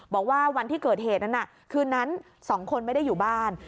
บอกว่าวันที่เกิดเหตุนั้นน่ะคืนนั้น๒คนไม่ได้อยู่บ้าน